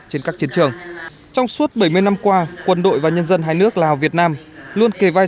trên các chiến trường trong suốt bảy mươi năm qua quân đội và nhân dân hai nước lào việt nam luôn kề vai